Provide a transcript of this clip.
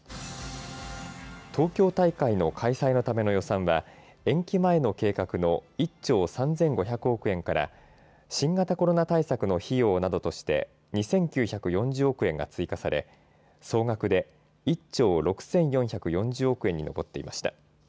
東京大会の開催のための予算は延期前の計画の１兆３５００億円から新型コロナ対策の費用などとして２９４０億円が追加され総額で１兆６４４０億円に上っていました。